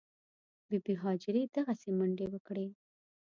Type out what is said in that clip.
بي بي هاجرې دغسې منډې وکړې.